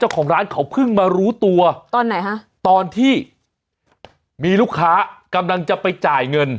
เจ้าของร้านเขาเพิ่งมารู้ตัวตอนไหนฮะตอนที่มีลูกค้ากำลังจะไปจ่ายเงิน